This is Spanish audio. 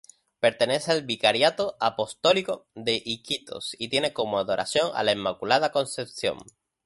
Pertenece al vicariato apostólico de Iquitos y tiene como adoración a la Inmaculada Concepción.